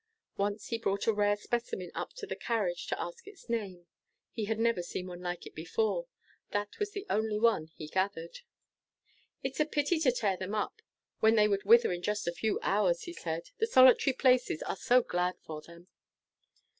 Once he brought a rare specimen up to the carriage to ask its name. He had never seen one like it before. That was the only one he gathered. "It's a pity to tear them up, when they would wither in just a few hours," he said; "the solitary places are so glad for them."